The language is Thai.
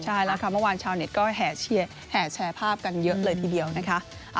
ใช่แล้วค่ะเมื่อวานชาวเน็ตก็แห่แชร์ภาพกันเยอะเลยทีเดียวนะคะ